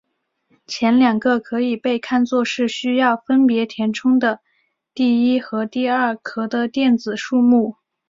前两个可以被看作是需要分别填充的第一和第二壳的电子数目。